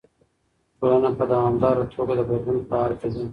ټولنه په دوامداره توګه د بدلون په حال کې ده.